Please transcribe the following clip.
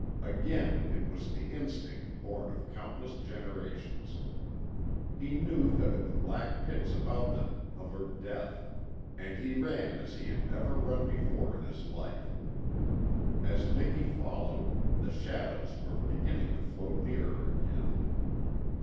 Again it was the instinct born of countless generations. He knew that in the black pits about them hovered death and he ran as he had never run before in his life. As Miki followed, the shadows were beginning to float nearer again.